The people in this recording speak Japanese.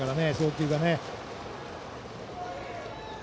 送球がね。